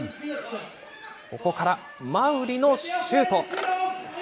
ここから馬瓜のシュート。